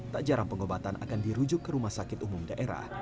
tak jarang pengobatan akan dirujuk ke rumah sakit umum daerah